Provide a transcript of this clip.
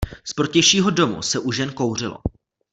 Z protějšího domu se už jen kouřilo.